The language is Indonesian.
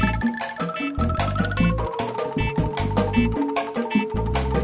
nurmang siap bos